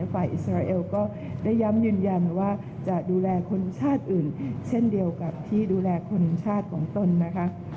ฝ่ายอิสราเอลก็ได้ย้ำยืนยันว่าจะดูแลคนชาติอื่นเช่นเดียวกับที่ดูแลคนชาติของตนนะคะ